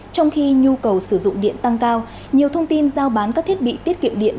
trong khi nhu cầu sử dụng điện tăng cao nhiều thông tin giao bán các thiết bị tiết kiệm điện